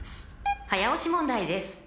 ［早押し問題です］